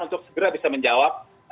untuk segera bisa menjawab